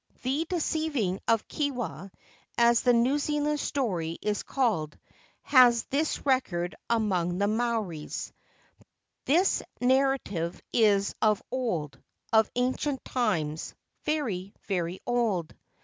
"The Deceiving of Kewa," as the New Zealand story is called, has this record among the Maoris. "This narrative is of old, of ancient times, very, very old.